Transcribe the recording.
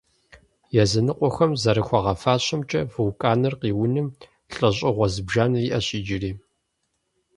Языныкъуэхэм зэрыхуагъэфащэмкӏэ, вулканыр къиуным лӏэщӏыгъуэ зыбжанэ иӏэщ иджыри.